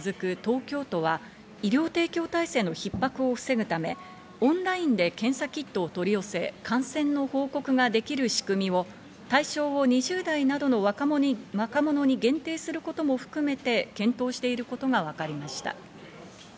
東京都は、医療提供体制のひっ迫を防ぐため、オンラインで検査キットを取り寄せ、感染の報告ができる仕組みを対象を２０代などの若者に限定することも含めて検討していることがわかりました。